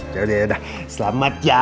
jangan ya udah selamat ya